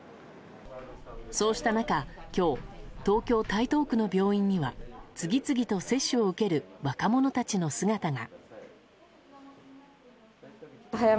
そうした中、今日東京・台東区の病院には次々と接種を受ける若者たちの姿が。